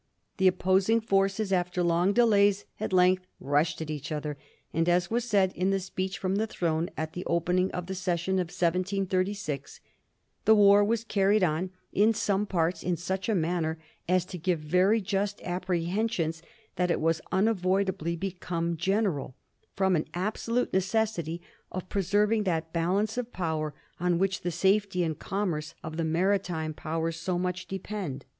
The opposing forces, after long delays, at length rushed at each other, and, as was said in the speech from the throne at the opening of the session of 1736, 'Hhe war was carried on in some parts in such a manner as to give very just apprehensions that it would unavoidably become general, from an absolute ne cessity of preserving that balance of power on which the safety and commerce of the maritime powers so much de pend."